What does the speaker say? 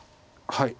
はい。